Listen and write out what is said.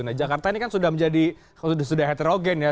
nah jakarta ini kan sudah menjadi sudah heterogen ya